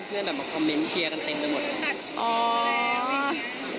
เพื่อนมันมาคอมเม้นเชียร์ตันน่ะหมด